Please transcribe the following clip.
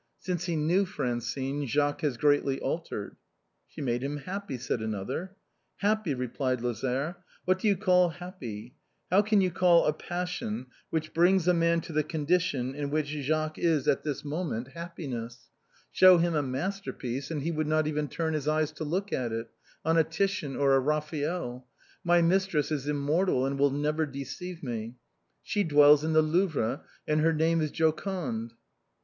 Since he knew Francine, Jacques has greatly altered." " She made him happy," said another. francine's muff. 239 " Happy," replied Lazare, "what do you call happy ? How can you call a passion, which brings a man to the con dition in which Jacques is at this moment, happiness? Show him a masterpiece and he would not even turn his eyes to look at it; and I am sure that to see his mistress once again he would walk on a Titian or a Raphael. My mistress is immortal and will never deceive me. She dwells in the Louvre, and her name is Joconde."